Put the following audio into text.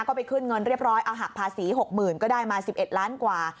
ก็ไปขึ้นเงินเรียบร้อยเอาหักภาษี๖๐๐๐ก็ได้มา๑๑ล้านกว่า